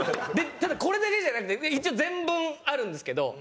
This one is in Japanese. ただこれだけじゃなくて一応全文あるんですけど。